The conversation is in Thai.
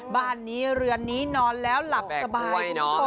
บ้านนี้เรือนนี้นอนแล้วหลับสบายคุณผู้ชม